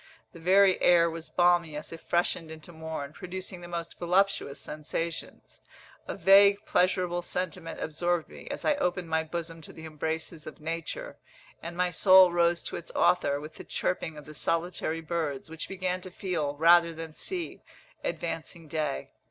The very air was balmy as it freshened into morn, producing the most voluptuous sensations. A vague pleasurable sentiment absorbed me, as I opened my bosom to the embraces of nature; and my soul rose to its Author, with the chirping of the solitary birds, which began to feel, rather than see, advancing day.